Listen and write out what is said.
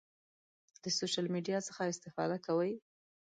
د سوشل میډیا څخه استفاده کوئ؟